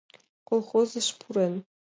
Колхозыш пурен.